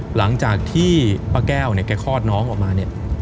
หลังจากที่ป้าแก้วเนี่ยแกคลอดน้องออกมาเนี่ย